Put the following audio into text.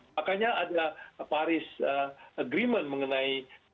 makanya ada paris agreement mengenai